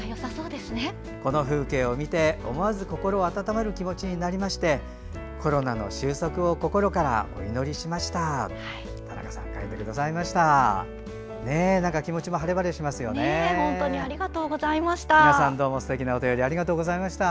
この風景を見て、思わず心温まる気持ちになりましてコロナの終息を心からお祈りしましたと田中さんが送ってくださいました。